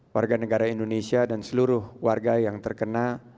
warga negara indonesia dan seluruh warga yang terkena